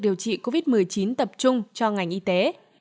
điều trị covid một mươi chín tập trung cho ngành y tế